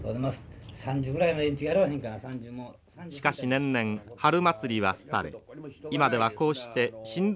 しかし年々春祭りは廃れ